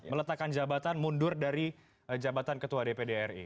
meletakkan jabatan mundur dari jabatan ketua dpd ri